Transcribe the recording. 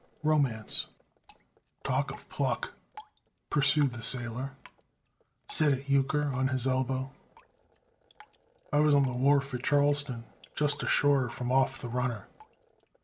ROMANCE "Talk of pluck!" pursued the Sailor, Set at euchre on his elbow, "I was on the wharf at Charleston, Just ashore from off the runner.